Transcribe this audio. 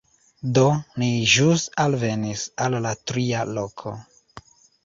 Do, ni ĵus alvenis al la tria loko